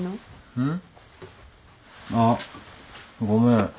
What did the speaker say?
うん？あっごめん。